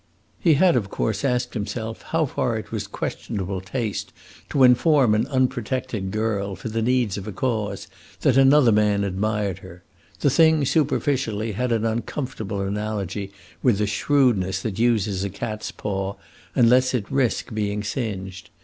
He had of course asked himself how far it was questionable taste to inform an unprotected girl, for the needs of a cause, that another man admired her; the thing, superficially, had an uncomfortable analogy with the shrewdness that uses a cat's paw and lets it risk being singed.